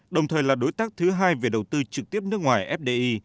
đồng thời là đối tác thứ hai về đầu tư trực tiếp nước ngoài fdi